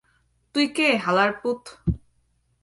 তুই কে হালার পুত?